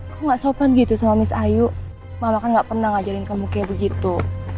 kok gak sopan gitu sama mis ayu mama kan gak pernah ngajarin kamu kayak begitu